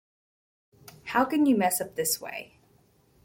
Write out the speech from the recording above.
How can you mess up this way?